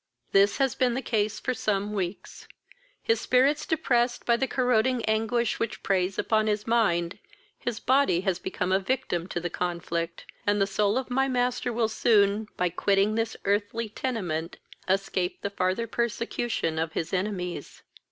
"This has been the case for some weeks. His spirits depressed by the corroding anguish which preys upon his mind, his body has become a victim to the conflict, and the soul of my master will soon, by quitting this earthly tenement, escape the farther persecution of his enemies.